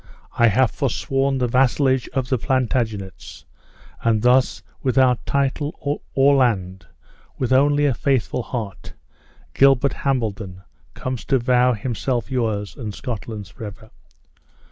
I have forsworn the vassalage of the Plantagenets; and thus, without title or land, with only a faithful heart, Gilbert Hambledon comes to vow himself yours and Scotland's forever."